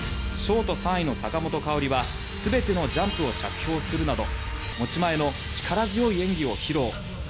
ショート３位の坂本花織は全てのジャンプを着氷するなど持ち前の力強い演技を披露。